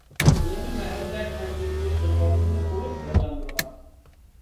يېڭى مەھەللە كەنتىدىكى بىر بالىنىمۇ ئۇرۇپ يارىلاندۇرغان.